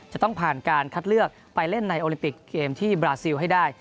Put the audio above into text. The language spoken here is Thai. จะต้องผ่านการคัดเลือกไปเล่นในโอลิมปิกเกมที่บราซิลให้ได้